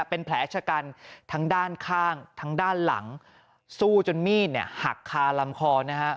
เป็นแผลชะกันทั้งด้านข้างทั้งด้านหลังสู้จนมีดเนี่ยหักคาลำคอนะฮะ